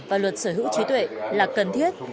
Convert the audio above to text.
và luật sở hữu trí tuệ là cần thiết